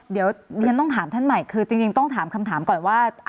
เดี๋ยวฉันต้องถามท่านใหม่คือจริงต้องถามคำถามก่อนว่า